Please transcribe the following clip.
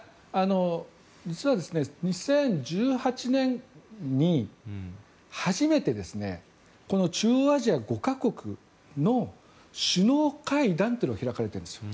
実は２０１８年に初めてこの中央アジア５か国の首脳会談というのが開かれてるんですよ。